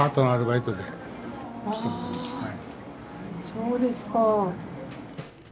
そうですか。